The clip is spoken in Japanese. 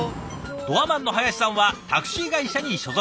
ドアマンの林さんはタクシー会社に所属。